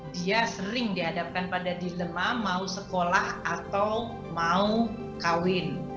dia sering dihadapkan pada dilema mau sekolah atau mau kawin